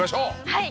はい。